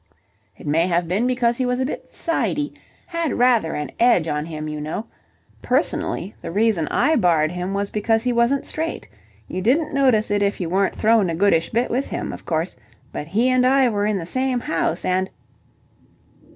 It may have been because he was a bit sidey... had rather an edge on him, you know... Personally, the reason I barred him was because he wasn't straight. You didn't notice it if you weren't thrown a goodish bit with him, of course, but he and I were in the same house, and..."